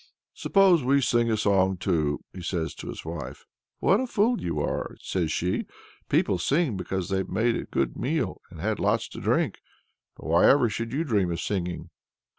"Suppose we sing a song, too," he says to his wife. "What a fool you are!" says she, "people sing because they've made a good meal and had lots to drink; but why ever should you dream of singing?"